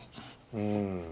うん。